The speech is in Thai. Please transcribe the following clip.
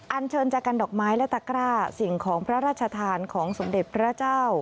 อันเชิญจากกันดอกไม้และตะกร้าสิ่งของพระราชทานของสมเด็จพระเจ้า